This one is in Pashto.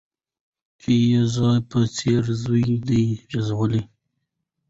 چي یې زما په څېره زوی دی زېږولی